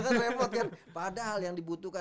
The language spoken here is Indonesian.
kan repot kan padahal yang dibutuhkan